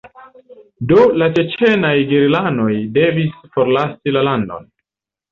Do la ĉeĉenaj gerilanoj devis forlasi la landon.